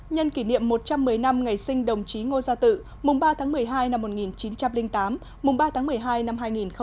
nhân kỷ niệm một trăm một mươi năm ngày sinh đồng chí ngô gia tự mùng ba tháng một mươi hai năm một nghìn chín trăm linh tám mùng ba tháng một mươi hai năm hai nghìn một mươi chín